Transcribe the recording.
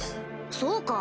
そうか。